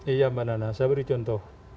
iya mbak nana saya beri contoh